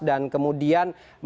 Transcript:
dan kemudian mesin politik